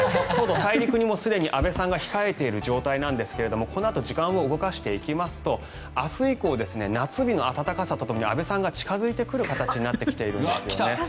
大陸に、すでに安部さんが控えている状態なんですがこのあと時間を動かしていきますと明日以降、夏日の暖かさとともに安部さんが近付いてくるんです。